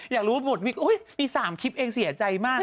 อยากรู้บทวิกมี๓คลิปเองเสียใจมาก